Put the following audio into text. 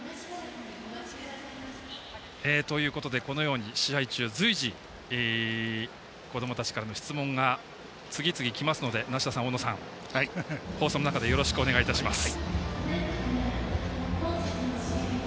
このように試合中に随時こどもたちからの質問が次々、きますので梨田さん、大野さん放送の中でよろしくお願いいたします。